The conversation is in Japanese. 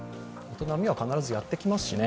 波は必ずやってきますしね。